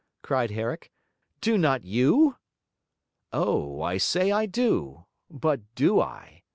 cried Herrick. 'Do not you?' 'Oh, I say I do. But do I?'